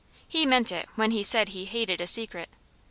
He meant it when he said he hated a secret.